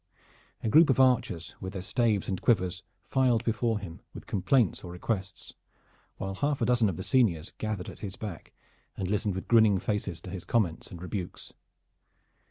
A group of archers with their staves and quivers filed before him with complaints or requests, while half a dozen of the seniors gathered at his back and listened with grinning faces to his comments and rebukes.